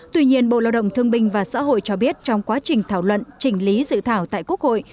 tuy nhiên bộ lao động thương bình và xã hội cho biết trong quá trình thảo luận chỉnh lý dự thảo tại quốc hội